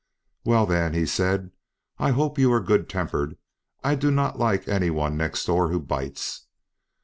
"Well, then," he said, "I hope you are good tempered; I do not like any one next door who bites."